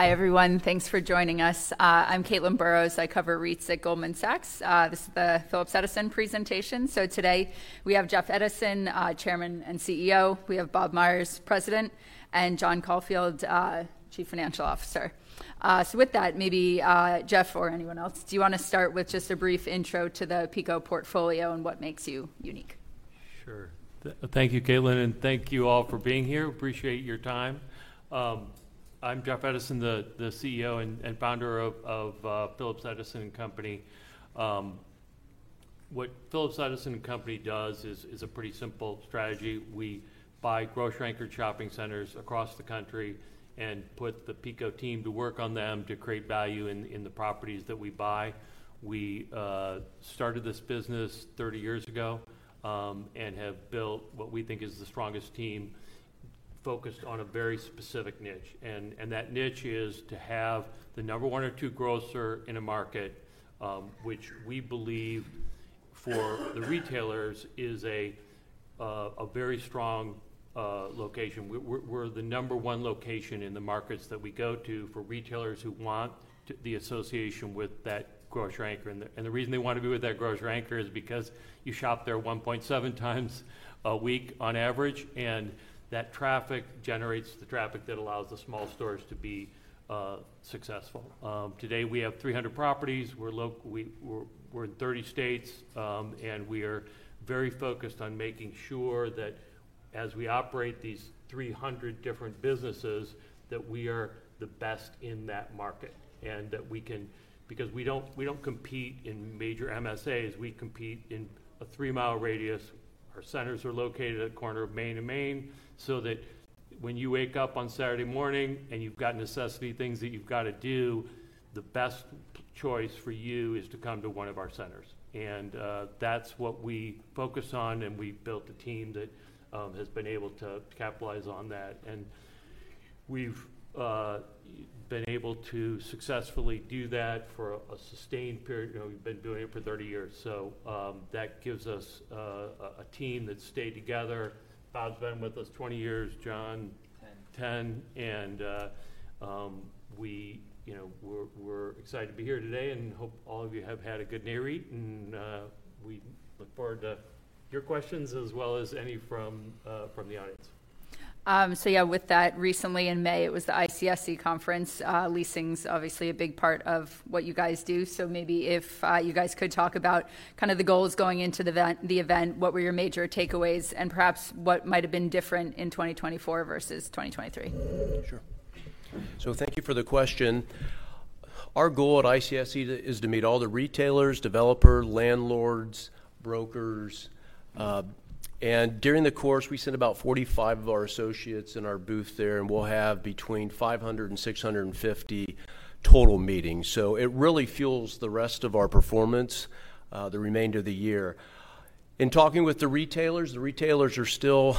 Hi, everyone. Thanks for joining us. I'm Caitlin Burrows. I cover REITs at Goldman Sachs. This is the Phillips Edison presentation. So today, we have Jeff Edison, Chairman and CEO. We have Bob Myers, President, and John Caulfield, Chief Financial Officer. So with that, maybe, Jeff or anyone else, do you want to start with just a brief intro to the PECO portfolio and what makes you unique? Sure. Thank you, Caitlin, and thank you all for being here. Appreciate your time. I'm Jeff Edison, the CEO and founder of Phillips Edison and Company. What Phillips Edison and Company does is a pretty simple strategy. We buy grocery-anchored shopping centers across the country and put the PECO team to work on them to create value in the properties that we buy. We started this business 30 years ago and have built what we think is the strongest team focused on a very specific niche, and that niche is to have the number one or two grocer in a market, which we believe, for the retailers, is a very strong location. We're the number one location in the markets that we go to for retailers who want the association with that grocery anchor. And the reason they want to be with that grocery anchor is because you shop there 1.7 times a week on average, and that traffic generates the traffic that allows the small stores to be successful. Today, we have 300 properties. We're in 30 states, and we are very focused on making sure that as we operate these 300 different businesses, that we are the best in that market and that we can... Because we don't compete in major MSAs, we compete in a 3-mile radius. Our centers are located at the corner of Main and Main, so that when you wake up on Saturday morning and you've got necessity things that you've got to do, the best choice for you is to come to one of our centers. And that's what we focus on, and we've built a team that has been able to capitalize on that. And we've been able to successfully do that for a sustained period. You know, we've been doing it for 30 years, so that gives us a team that's stayed together. Bob's been with us 20 years, John- Ten. We, you know, we're excited to be here today and hope all of you have had a good NAREIT, and we look forward to your questions as well as any from the audience. So yeah, with that, recently in May, it was the ICSC conference. Leasing's obviously a big part of what you guys do, so maybe if you guys could talk about kind of the goals going into the event, what were your major takeaways, and perhaps what might have been different in 2024 versus 2023? Sure. So thank you for the question. Our goal at ICSC is to meet all the retailers, developer, landlords, brokers, and during the course, we sent about 45 of our associates in our booth there, and we'll have between 500 and 650 total meetings. So it really fuels the rest of our performance, the remainder of the year. In talking with the retailers, the retailers are still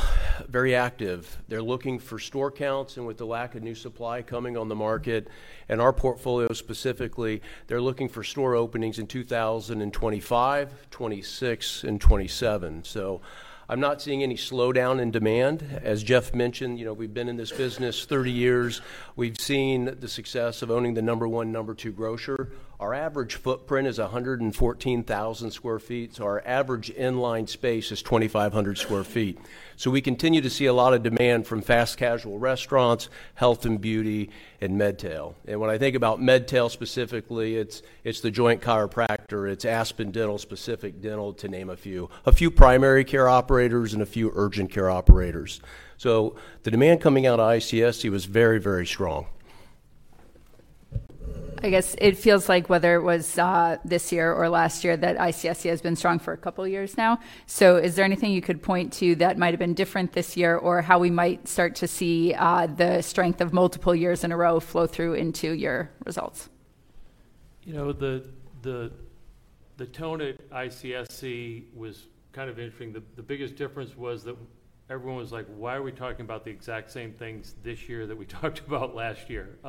very active. They're looking for store counts, and with the lack of new supply coming on the market, and our portfolio specifically, they're looking for store openings in 2025, 2026, and 2027. So I'm not seeing any slowdown in demand. As Jeff mentioned, you know, we've been in this business 30 years. We've seen the success of owning the number one, number two grocer. Our average footprint is 114,000 sq ft, so our average in-line space is 2,500 sq ft. So we continue to see a lot of demand from fast casual restaurants, health and beauty, and MedTail. And when I think about MedTail specifically, it's, it's The Joint Chiropractic, it's Aspen Dental, Pacific Dental, to name a few. A few primary care operators and a few urgent care operators. So the demand coming out of ICSC was very, very strong. I guess it feels like whether it was this year or last year, that ICSC has been strong for a couple of years now. So is there anything you could point to that might have been different this year, or how we might start to see the strength of multiple years in a row flow through into your results? You know, the tone at ICSC was kind of interesting. The biggest difference was that everyone was like: "Why are we talking about the exact same things this year that we talked about last year?"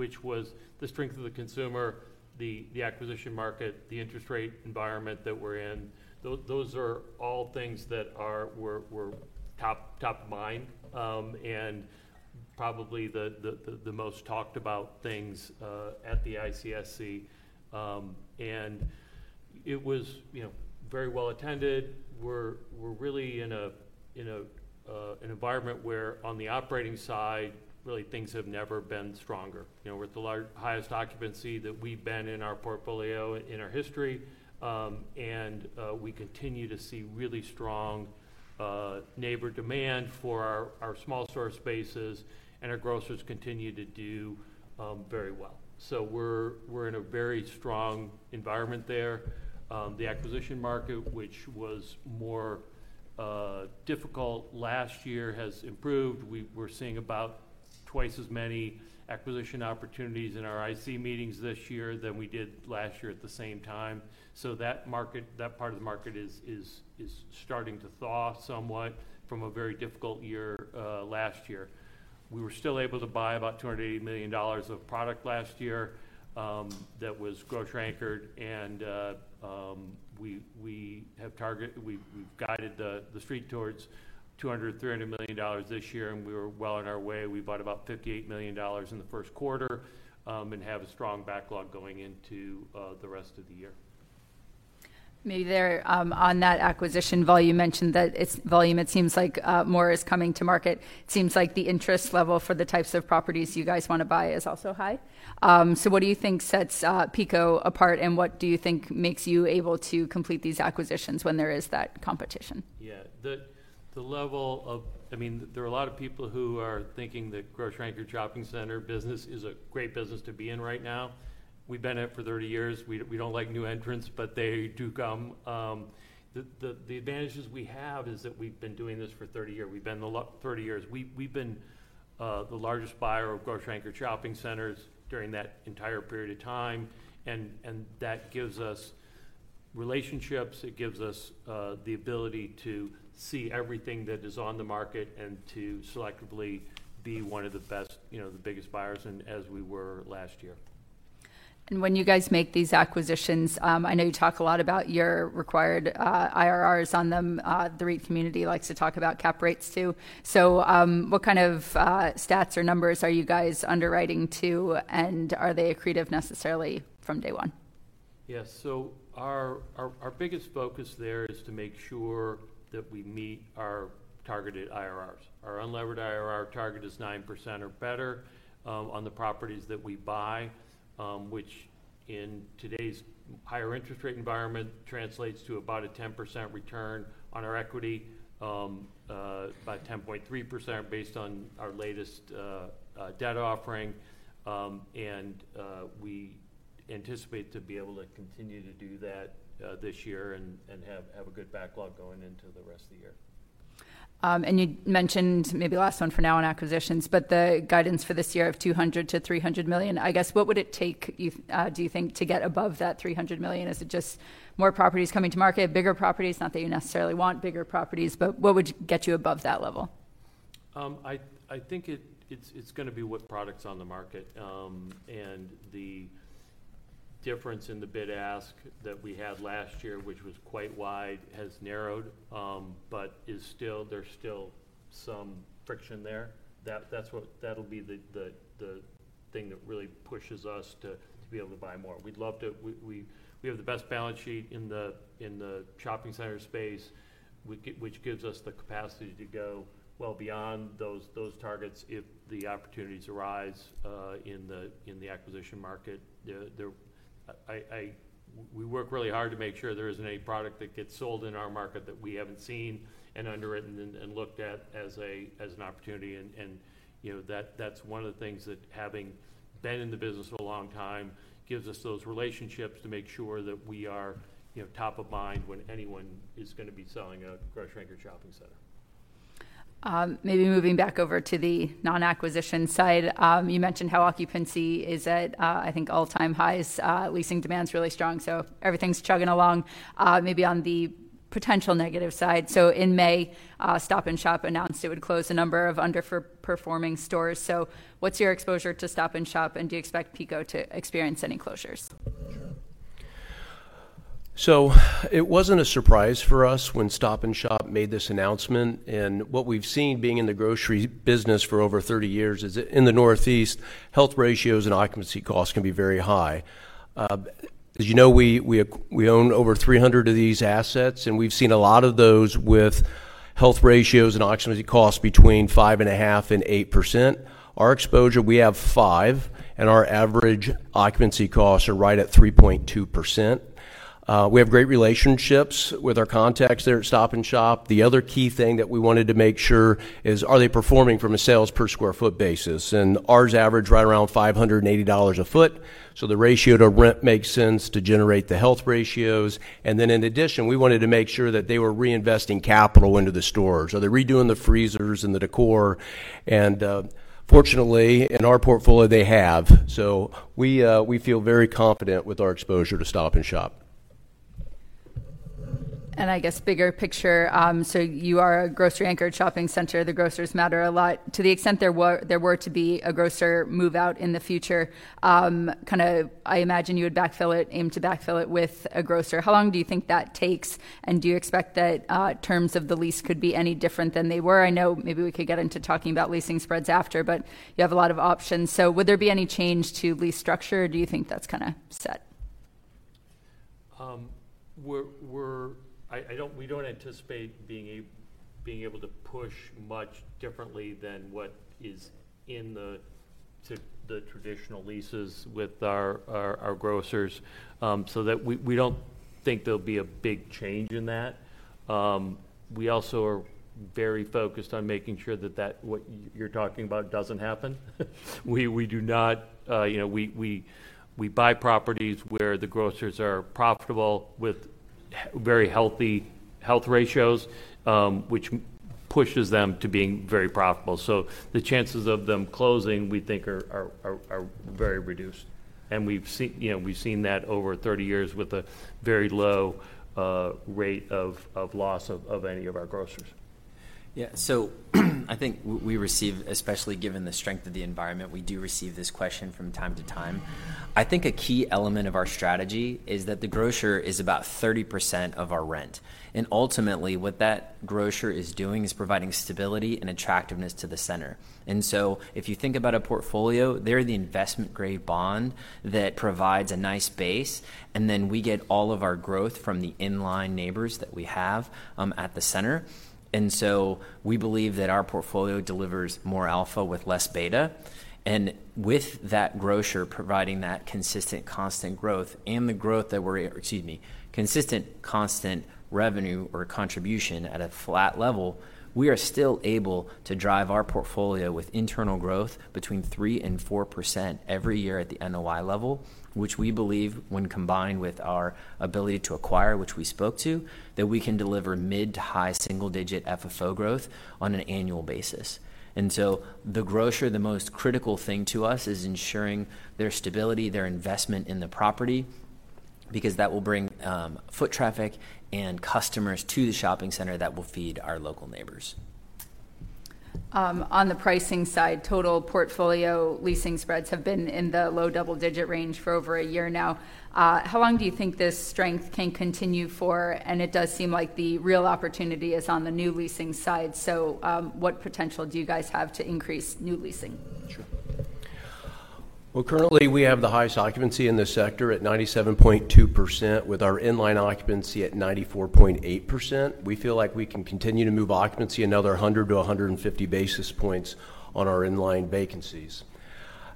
which was the strength of the consumer, the acquisition market, the interest rate environment that we're in. Those are all things that were top of mind, and probably the most talked about things at the ICSC. It was, you know, very well attended. We're really in an environment where on the operating side, really things have never been stronger. You know, we're at the highest occupancy that we've been in our portfolio in our history, and we continue to see really strong neighborhood demand for our small store spaces, and our grocers continue to do very well. So we're in a very strong environment there. The acquisition market, which was more difficult last year, has improved. We're seeing about twice as many acquisition opportunities in our IC meetings this year than we did last year at the same time. So that market, that part of the market is starting to thaw somewhat from a very difficult year last year. We were still able to buy about $280 million of product last year, that was grocery-anchored, and we've guided the street towards $200 million-$300 million this year, and we were well on our way. We bought about $58 million in the first quarter, and have a strong backlog going into the rest of the year.... Maybe there, on that acquisition volume, you mentioned that it's volume, it seems like, more is coming to market. Seems like the interest level for the types of properties you guys want to buy is also high. So what do you think sets PECO apart, and what do you think makes you able to complete these acquisitions when there is that competition? Yeah. The level of—I mean, there are a lot of people who are thinking the grocery-anchored shopping center business is a great business to be in right now. We've been in it for 30 years. We don't like new entrants, but they do come. The advantages we have is that we've been doing this for 30 years. We've been the largest buyer of grocery-anchored shopping centers during that entire period of time, and that gives us relationships. It gives us the ability to see everything that is on the market and to selectively be one of the best, you know, the biggest buyers and as we were last year. When you guys make these acquisitions, I know you talk a lot about your required IRRs on them. The REIT community likes to talk about cap rates, too. What kind of stats or numbers are you guys underwriting to, and are they accretive necessarily from day one? Yes. So our biggest focus there is to make sure that we meet our targeted IRRs. Our unlevered IRR target is 9% or better, on the properties that we buy, which in today's higher interest rate environment, translates to about a 10% return on our equity, about 10.3% based on our latest debt offering. And we anticipate to be able to continue to do that, this year and have a good backlog going into the rest of the year. And you mentioned, maybe last one for now on acquisitions, but the guidance for this year of $200 million-$300 million, I guess, what would it take, do you think, to get above that $300 million? Is it just more properties coming to market, bigger properties? Not that you necessarily want bigger properties, but what would get you above that level? I think it's gonna be what products are on the market. And the difference in the bid-ask that we had last year, which was quite wide, has narrowed, but is still, there's still some friction there. That's what-- That'll be the thing that really pushes us to be able to buy more. We'd love to... We have the best balance sheet in the shopping center space, which gives us the capacity to go well beyond those targets if the opportunities arise in the acquisition market. We work really hard to make sure there isn't any product that gets sold in our market that we haven't seen and underwritten and looked at as an opportunity. You know, that's one of the things that having been in the business for a long time gives us those relationships to make sure that we are, you know, top of mind when anyone is gonna be selling a grocery-anchored shopping center. Maybe moving back over to the non-acquisition side. You mentioned how occupancy is at, I think, all-time highs. Leasing demand's really strong, so everything's chugging along. Maybe on the potential negative side, so in May, Stop & Shop announced it would close a number of underperforming stores. So what's your exposure to Stop & Shop, and do you expect PECO to experience any closures? So it wasn't a surprise for us when Stop & Shop made this announcement. What we've seen, being in the grocery business for over 30 years, is in the Northeast, health ratios and occupancy costs can be very high. As you know, we own over 300 of these assets, and we've seen a lot of those with health ratios and occupancy costs between 5.5% and 8%. Our exposure, we have 5, and our average occupancy costs are right at 3.2%. We have great relationships with our contacts there at Stop & Shop. The other key thing that we wanted to make sure is, are they performing from a sales per square foot basis? Ours average right around $580 a sq ft, so the ratio to rent makes sense to generate the health ratios. And then, in addition, we wanted to make sure that they were reinvesting capital into the stores. Are they redoing the freezers and the decor? And, fortunately, in our portfolio, they have. So we, we feel very confident with our exposure to Stop & Shop. I guess bigger picture, so you are a grocery-anchored shopping center. The grocers matter a lot. To the extent there were to be a grocer move out in the future, kinda, I imagine you would backfill it, aim to backfill it with a grocer. How long do you think that takes, and do you expect that terms of the lease could be any different than they were? I know maybe we could get into talking about leasing spreads after, but you have a lot of options. So would there be any change to lease structure, or do you think that's kinda set? We don't anticipate being able to push much differently than what is in the traditional leases with our grocers. So we don't think there'll be a big change in that. We also are very focused on making sure that what you're talking about doesn't happen. We do not. You know, we buy properties where the grocers are profitable with very healthy health ratios, which pushes them to being very profitable. So the chances of them closing, we think, are very reduced. And we've seen, you know, we've seen that over 30 years with a very low rate of loss of any of our grocers. Yeah, so-... I think we receive, especially given the strength of the environment, we do receive this question from time to time. I think a key element of our strategy is that the grocer is about 30% of our rent, and ultimately, what that grocer is doing is providing stability and attractiveness to the center. And so if you think about a portfolio, they're the investment-grade bond that provides a nice base, and then we get all of our growth from the in-line neighbors that we have at the center. And so we believe that our portfolio delivers more alpha with less beta. With that grocer providing that consistent, constant revenue or contribution at a flat level, we are still able to drive our portfolio with internal growth between 3%-4% every year at the NOI level, which we believe, when combined with our ability to acquire, which we spoke to, that we can deliver mid- to high single-digit FFO growth on an annual basis. So the grocer, the most critical thing to us, is ensuring their stability, their investment in the property, because that will bring foot traffic and customers to the shopping center that will feed our local neighbors. On the pricing side, total portfolio leasing spreads have been in the low double-digit range for over a year now. How long do you think this strength can continue for? It does seem like the real opportunity is on the new leasing side, so, what potential do you guys have to increase new leasing? Sure. Well, currently, we have the highest occupancy in the sector at 97.2%, with our inline occupancy at 94.8%. We feel like we can continue to move occupancy another 100-150 basis points on our inline vacancies.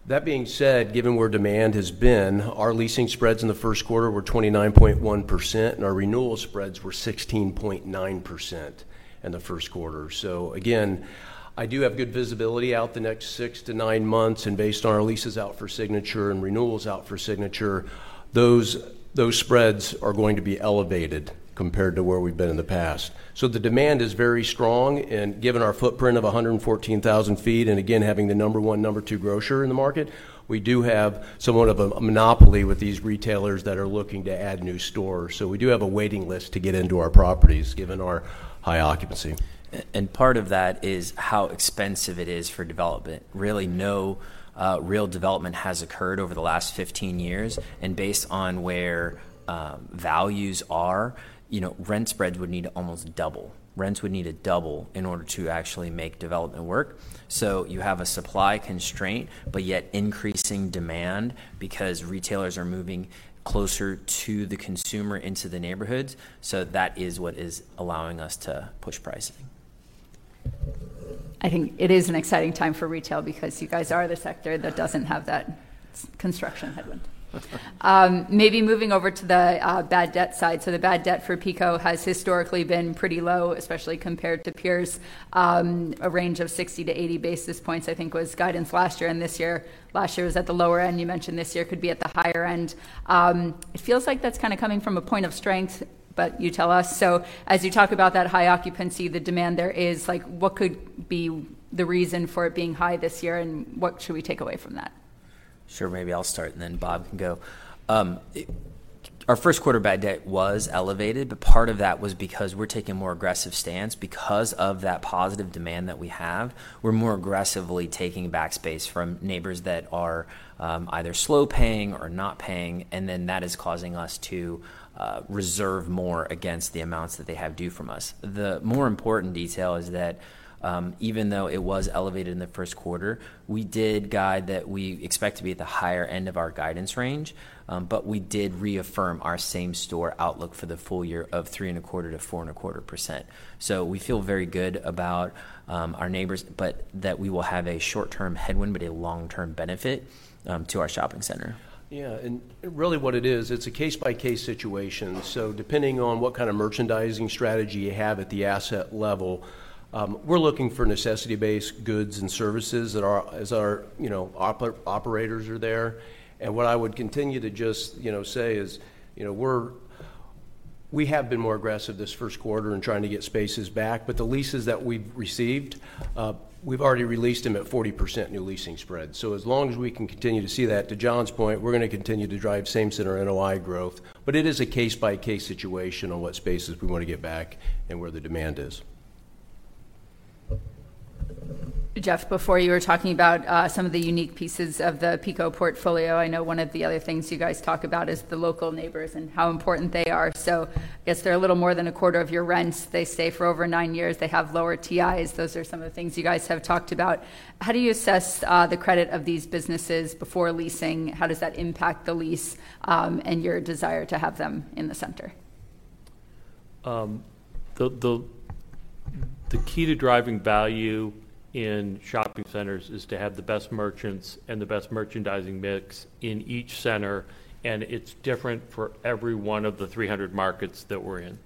That being said, given where demand has been, our leasing spreads in the first quarter were 29.1%, and our renewal spreads were 16.9% in the first quarter. So again, I do have good visibility out the next 6-9 months, and based on our leases out for signature and renewals out for signature, those, those spreads are going to be elevated compared to where we've been in the past. So the demand is very strong, and given our footprint of 114,000 sq ft, and again, having the number one, number two grocer in the market, we do have somewhat of a monopoly with these retailers that are looking to add new stores. So we do have a waiting list to get into our properties, given our high occupancy. And part of that is how expensive it is for development. Really, no real development has occurred over the last 15 years, and based on where values are, you know, rent spreads would need to almost double. Rents would need to double in order to actually make development work. So you have a supply constraint, but yet increasing demand because retailers are moving closer to the consumer into the neighborhoods, so that is what is allowing us to push pricing. I think it is an exciting time for retail because you guys are the sector that doesn't have that construction headwind. Maybe moving over to the bad debt side. So the bad debt for PECO has historically been pretty low, especially compared to peers. A range of 60-80 basis points, I think, was guidance last year and this year. Last year was at the lower end. You mentioned this year could be at the higher end. It feels like that's kind of coming from a point of strength, but you tell us. So as you talk about that high occupancy, the demand there is, like, what could be the reason for it being high this year, and what should we take away from that? Sure. Maybe I'll start, and then Bob can go. Our first quarter bad debt was elevated, but part of that was because we're taking a more aggressive stance. Because of that positive demand that we have, we're more aggressively taking back space from neighbors that are either slow-paying or not paying, and then that is causing us to reserve more against the amounts that they have due from us. The more important detail is that even though it was elevated in the first quarter, we did guide that we expect to be at the higher end of our guidance range, but we did reaffirm our same-store outlook for the full year of 3.25%-4.25%. So we feel very good about our neighbors, but that we will have a short-term headwind, but a long-term benefit to our shopping center. Yeah, and really, what it is, it's a case-by-case situation. So depending on what kind of merchandising strategy you have at the asset level, we're looking for necessity-based goods and services that are... as our, you know, operators are there. And what I would continue to just, you know, say is, you know, we're, we have been more aggressive this first quarter in trying to get spaces back, but the leases that we've received, we've already released them at 40% new leasing spread. So as long as we can continue to see that, to John's point, we're gonna continue to drive same center NOI growth. But it is a case-by-case situation on what spaces we want to get back and where the demand is. Jeff, before you were talking about some of the unique pieces of the PECO portfolio. I know one of the other things you guys talk about is the local neighbors and how important they are. So I guess they're a little more than a quarter of your rent. They stay for over nine years. They have lower TIs. Those are some of the things you guys have talked about. How do you assess the credit of these businesses before leasing? How does that impact the lease and your desire to have them in the center? The key to driving value in shopping centers is to have the best merchants and the best merchandising mix in each center, and it's different for every one of the three hundred markets that we're in.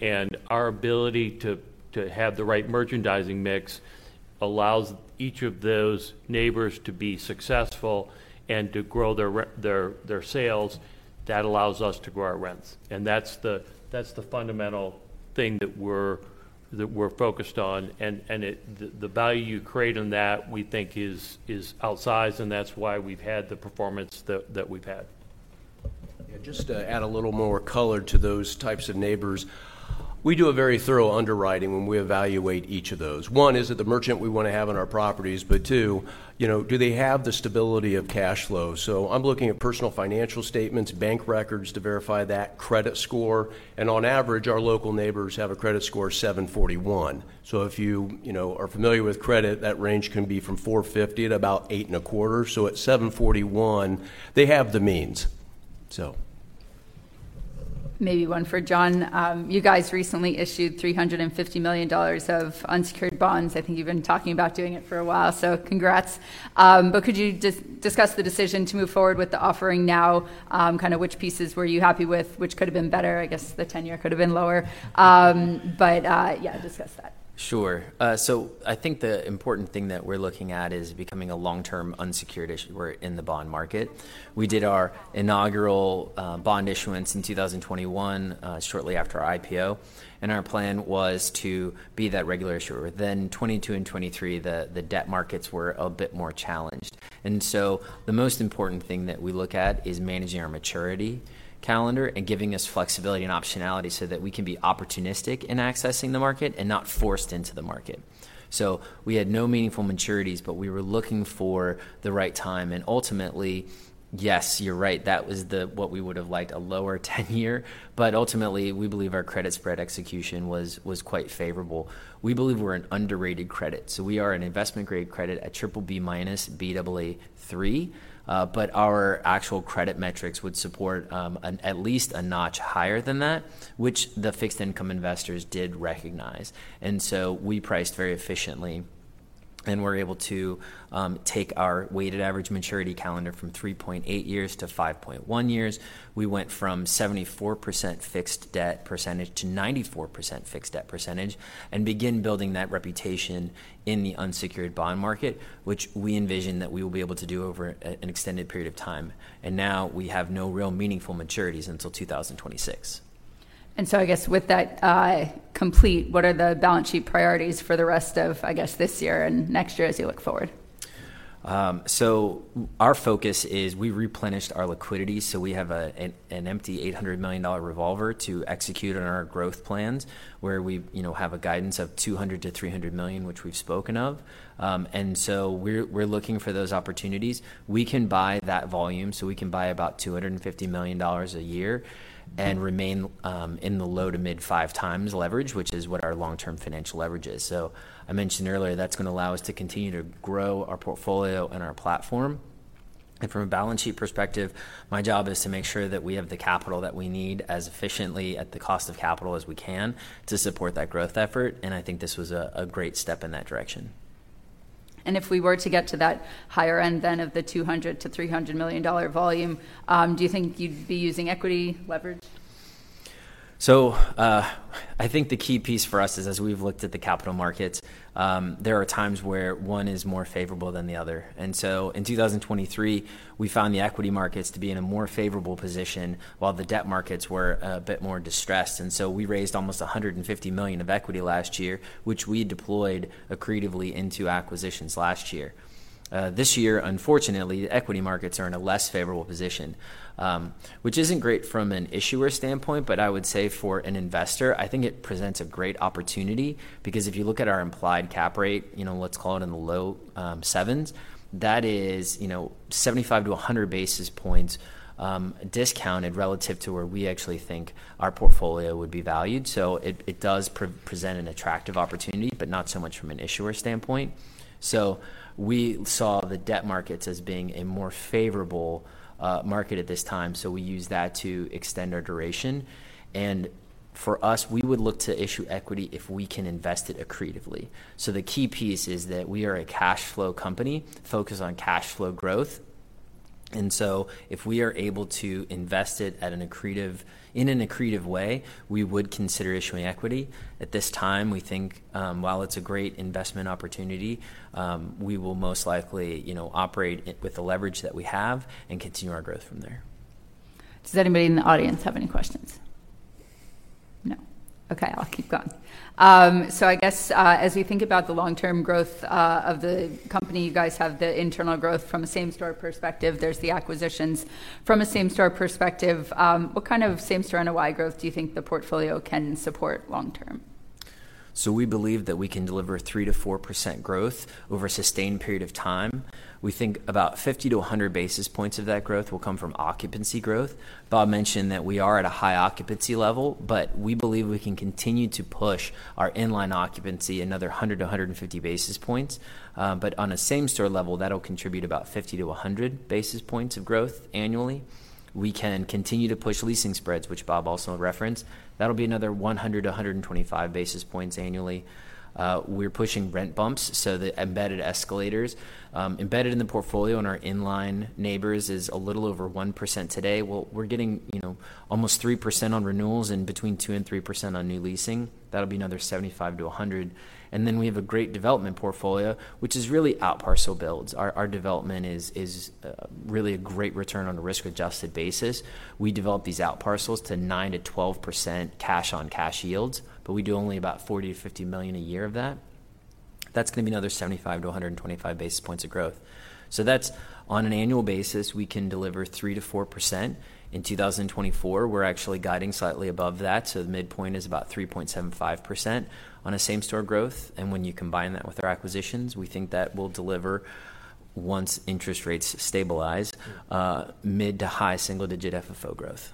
And our ability to have the right merchandising mix allows each of those neighbors to be successful and to grow their sales. That allows us to grow our rents, and that's the fundamental thing that we're focused on. The value you create on that, we think, is outsized, and that's why we've had the performance that we've had.... Yeah, just to add a little more color to those types of neighbors, we do a very thorough underwriting when we evaluate each of those. One, is it the merchant we want to have on our properties? But two, you know, do they have the stability of cash flow? So I'm looking at personal financial statements, bank records to verify that, credit score, and on average, our local neighbors have a credit score of 741. So if you, you know, are familiar with credit, that range can be from 450 to about 825. So at 741, they have the means, so. Maybe one for John. You guys recently issued $350 million of unsecured bonds. I think you've been talking about doing it for a while, so congrats. But could you discuss the decision to move forward with the offering now? Kind of which pieces were you happy with? Which could have been better? I guess the tenure could have been lower, but yeah, discuss that. Sure. So I think the important thing that we're looking at is becoming a long-term unsecured issuer in the bond market. We did our inaugural bond issuance in 2021, shortly after our IPO, and our plan was to be that regular issuer. Then 2022 and 2023, the debt markets were a bit more challenged. And so the most important thing that we look at is managing our maturity calendar and giving us flexibility and optionality so that we can be opportunistic in accessing the market and not forced into the market. So we had no meaningful maturities, but we were looking for the right time, and ultimately, yes, you're right, that was the-- what we would have liked, a lower 10-year. But ultimately, we believe our credit spread execution was quite favorable. We believe we're an underrated credit, so we are an investment-grade credit at triple B minus, Baa3. But our actual credit metrics would support at least a notch higher than that, which the fixed income investors did recognize. And so we priced very efficiently, and we're able to take our weighted average maturity calendar from 3.8 years to 5.1 years. We went from 74% fixed debt percentage to 94% fixed debt percentage and begin building that reputation in the unsecured bond market, which we envision that we will be able to do over an extended period of time. And now we have no real meaningful maturities until 2026. So, I guess with that complete, what are the balance sheet priorities for the rest of, I guess, this year and next year as you look forward? So our focus is we replenished our liquidity, so we have an empty $800 million revolver to execute on our growth plans, where we, you know, have a guidance of $200 million-$300 million, which we've spoken of. And so we're looking for those opportunities. We can buy that volume, so we can buy about $250 million a year and remain in the low to mid 5x leverage, which is what our long-term financial leverage is. So I mentioned earlier, that's going to allow us to continue to grow our portfolio and our platform. From a balance sheet perspective, my job is to make sure that we have the capital that we need as efficiently at the cost of capital as we can to support that growth effort, and I think this was a great step in that direction. If we were to get to that higher end, then, of the $200 million-$300 million volume, do you think you'd be using equity leverage? So, I think the key piece for us is, as we've looked at the capital markets, there are times where one is more favorable than the other. So in 2023, we found the equity markets to be in a more favorable position, while the debt markets were a bit more distressed. So we raised almost $150 million of equity last year, which we deployed accretively into acquisitions last year. This year, unfortunately, the equity markets are in a less favorable position, which isn't great from an issuer standpoint, but I would say for an investor, I think it presents a great opportunity, because if you look at our implied cap rate, you know, let's call it in the low sevens, that is, you know, 75-100 basis points discounted relative to where we actually think our portfolio would be valued. So it does present an attractive opportunity, but not so much from an issuer standpoint. So we saw the debt markets as being a more favorable market at this time, so we used that to extend our duration. And for us, we would look to issue equity if we can invest it accretively. So the key piece is that we are a cash flow company focused on cash flow growth, and so if we are able to invest it in an accretive way, we would consider issuing equity. At this time, we think, while it's a great investment opportunity, we will most likely, you know, operate it with the leverage that we have and continue our growth from there. Does anybody in the audience have any questions? No. Okay, I'll keep going. So I guess, as we think about the long-term growth, of the company, you guys have the internal growth from a same-store perspective. There's the acquisitions. From a same-store perspective, what kind of same-store NOI growth do you think the portfolio can support long-term? So we believe that we can deliver 3%-4% growth over a sustained period of time. We think about 50-100 basis points of that growth will come from occupancy growth. Bob mentioned that we are at a high occupancy level, but we believe we can continue to push our in-line occupancy another 100-150 basis points. But on a same-store level, that'll contribute about 50-100 basis points of growth annually. We can continue to push leasing spreads, which Bob also referenced. That'll be another 100-125 basis points annually. We're pushing rent bumps, so the embedded escalators embedded in the portfolio and our in-line neighbors is a little over 1% today. Well, we're getting, you know, almost 3% on renewals and between 2% and 3% on new leasing. That'll be another 75 to 100. And then we have a great development portfolio, which is really outparcel builds. Our, our development is, is, really a great return on a risk-adjusted basis. We develop these outparcels to 9%-12% cash-on-cash yields, but we do only about $40 million-$50 million a year of that. That's gonna be another 75 to 125 basis points of growth. So that's on an annual basis, we can deliver 3%-4%. In 2024, we're actually guiding slightly above that, so the midpoint is about 3.75% on a same-store growth. When you combine that with our acquisitions, we think that will deliver once interest rates stabilize, mid- to high single-digit FFO growth.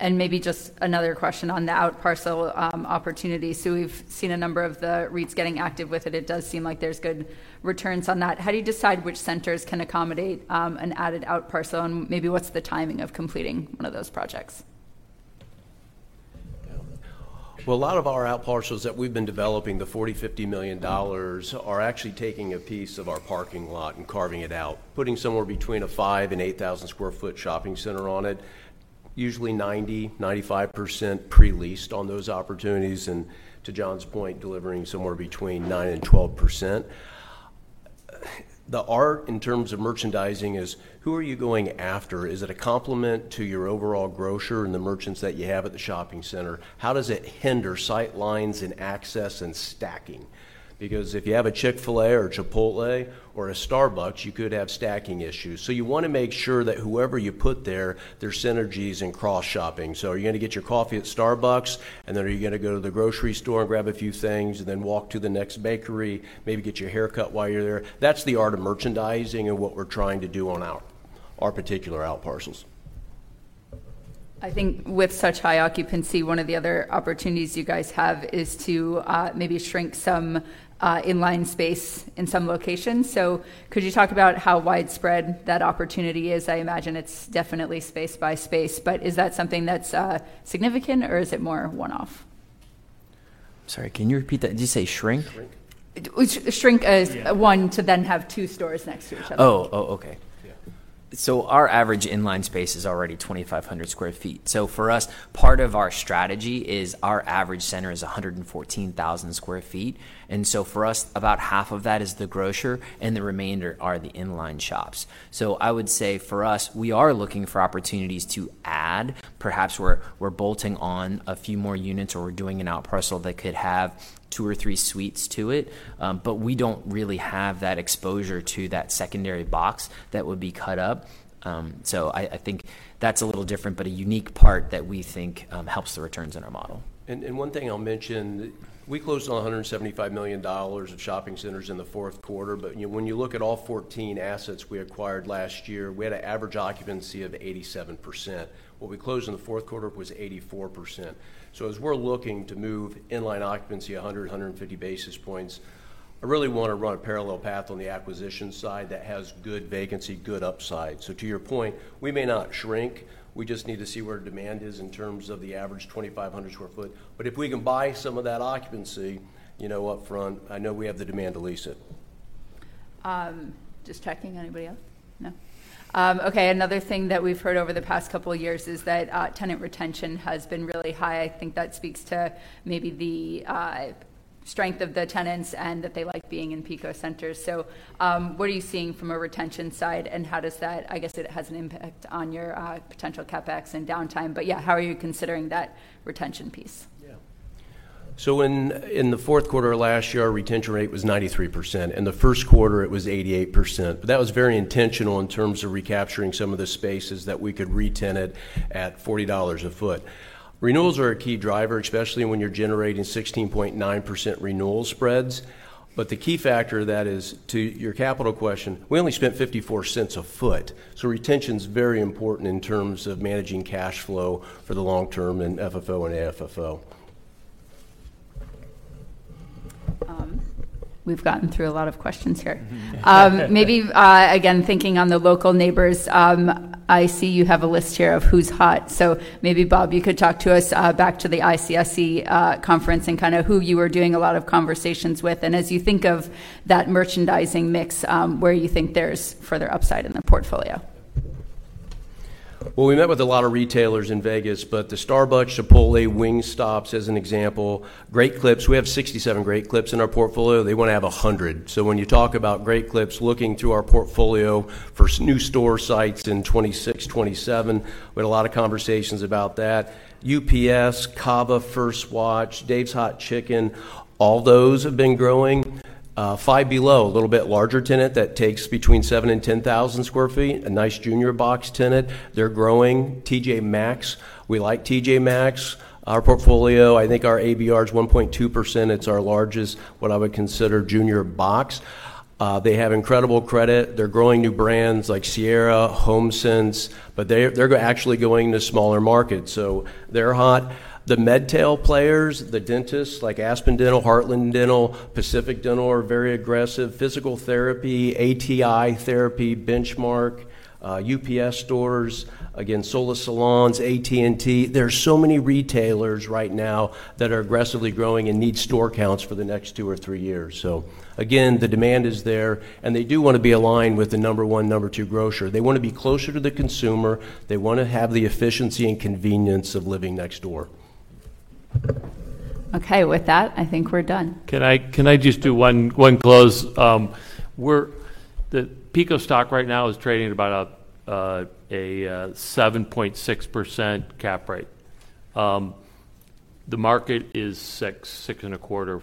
Maybe just another question on the outparcel opportunity. So we've seen a number of the REITs getting active with it. It does seem like there's good returns on that. How do you decide which centers can accommodate an added outparcel, and maybe what's the timing of completing one of those projects? Well, a lot of our outparcels that we've been developing, the $40-$50 million, are actually taking a piece of our parking lot and carving it out, putting somewhere between a 5-8,000 sq ft shopping center on it. Usually 90%-95% pre-leased on those opportunities, and to John's point, delivering somewhere between 9%-12%. The art, in terms of merchandising, is who are you going after? Is it a complement to your overall grocer and the merchants that you have at the shopping center? How does it hinder sight lines and access and stacking? Because if you have a Chick-fil-A or Chipotle or a Starbucks, you could have stacking issues. So you want to make sure that whoever you put there, there's synergies in cross-shopping. So are you gonna get your coffee at Starbucks, and then are you gonna go to the grocery store and grab a few things, and then walk to the next bakery, maybe get your hair cut while you're there? That's the art of merchandising and what we're trying to do on our particular outparcels. I think with such high occupancy, one of the other opportunities you guys have is to maybe shrink some in-line space in some locations. So could you talk about how widespread that opportunity is? I imagine it's definitely space by space, but is that something that's significant or is it more one-off? Sorry, can you repeat that? Did you say shrink? Shrink. Shrink, one to then have two stores next to each other. Oh, oh, okay. Yeah. So our average in-line space is already 2,500 sq ft. So for us, part of our strategy is our average center is 114,000 sq ft, and so for us, about half of that is the grocer, and the remainder are the in-line shops. So I would say, for us, we are looking for opportunities to add. Perhaps we're bolting on a few more units, or we're doing an outparcel that could have two or three suites to it, but we don't really have that exposure to that secondary box that would be cut up. So I think that's a little different, but a unique part that we think helps the returns in our model. One thing I'll mention, we closed on $175 million of shopping centers in the fourth quarter, but, you know, when you look at all 14 assets we acquired last year, we had an average occupancy of 87%. What we closed in the fourth quarter was 84%. So as we're looking to move in-line occupancy 100-150 basis points, I really wanna run a parallel path on the acquisition side that has good vacancy, good upside. So to your point, we may not shrink. We just need to see where demand is in terms of the average 2,500 sq ft. But if we can buy some of that occupancy, you know, upfront, I know we have the demand to lease it. Just checking, anybody else? No. Okay, another thing that we've heard over the past couple of years is that tenant retention has been really high. I think that speaks to maybe the strength of the tenants and that they like being in PECO centers. So, what are you seeing from a retention side, and how does that—I guess it has an impact on your potential CapEx and downtime, but yeah, how are you considering that retention piece? Yeah. So in the fourth quarter of last year, our retention rate was 93%. In the first quarter, it was 88%. But that was very intentional in terms of recapturing some of the spaces that we could re-tenant at $40 a foot. Renewals are a key driver, especially when you're generating 16.9% renewal spreads, but the key factor of that is, to your capital question, we only spent $0.54 a foot, so retention's very important in terms of managing cash flow for the long term and FFO and AFFO. We've gotten through a lot of questions here. Maybe, again, thinking on the local neighbors, I see you have a list here of who's hot. So maybe, Bob, you could talk to us back to the ICSC conference and kind of who you were doing a lot of conversations with, and as you think of that merchandising mix, where you think there's further upside in the portfolio. Well, we met with a lot of retailers in Vegas, but the Starbucks, Chipotle, Wingstops, as an example, Great Clips. We have 67 Great Clips in our portfolio. They want to have 100. So when you talk about Great Clips, looking through our portfolio for new store sites in 2026, 2027, we had a lot of conversations about that. UPS, Cava, First Watch, Dave's Hot Chicken, all those have been growing. Five Below, a little bit larger tenant that takes between 7,000-10,000 sq ft, a nice junior box tenant. They're growing. T.J. Maxx, we like T.J. Maxx. Our portfolio, I think our ABR is 1.2%. It's our largest, what I would consider junior box. They have incredible credit. They're growing new brands like Sierra, HomeSense, but they're, they're actually going to smaller markets, so they're hot. The Medtail players, the dentists like Aspen Dental, Heartland Dental, Pacific Dental, are very aggressive. Physical therapy, ATI Therapy, Benchmark, UPS stores, again, Sola Salons, AT&T. There are so many retailers right now that are aggressively growing and need store counts for the next two or three years. So again, the demand is there, and they do want to be aligned with the number one, number two grocer. They want to be closer to the consumer. They want to have the efficiency and convenience of living next door. Okay, with that, I think we're done. Can I, can I just do one, one close? Where the PECO stock right now is trading at about a 7.6% cap rate. The market is 6-6.25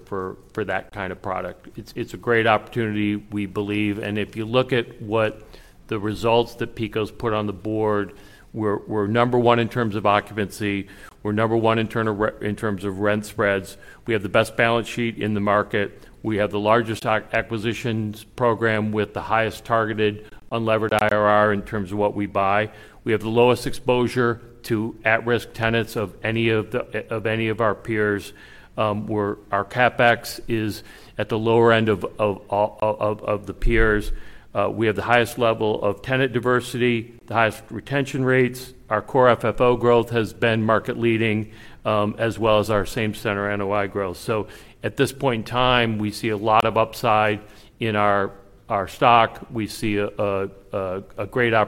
for that kind of product. It's a great opportunity, we believe, and if you look at what the results that PECO's put on the board, we're number one in terms of occupancy, we're number one in terms of rent spreads. We have the best balance sheet in the market. We have the largest acquisitions program with the highest targeted unlevered IRR in terms of what we buy. We have the lowest exposure to at-risk tenants of any of our peers. Our CapEx is at the lower end of the peers. We have the highest level of tenant diversity, the highest retention rates. Our core FFO growth has been market leading, as well as our same center NOI growth. So at this point in time, we see a lot of upside in our stock. We see a great oppor-